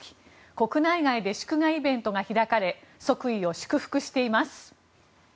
国内外で祝賀イベントが開かれ即位を祝福しています。